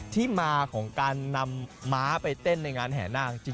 ที่มาของการนำม้าไปเต้นในงานแห่นาคจริง